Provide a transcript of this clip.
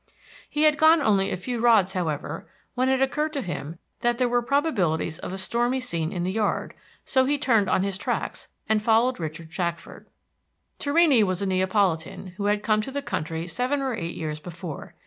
He had gone only a few rods, however, when it occurred to him that there were probabilities of a stormy scene in the yard; so he turned on his tracks, and followed Richard Shackford. Torrini was a Neapolitan, who had come to the country seven or eight years before.